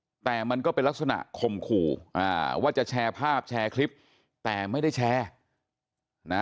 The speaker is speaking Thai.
ตั้งกลุ่มชัดแต่มันก็เป็นลักษณะคมขู่ว่าจะแชร์ภาพแชร์คลิปแต่ไม่ได้แชร์